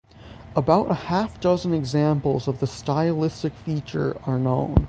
About half a dozen examples of this stylistic feature are known.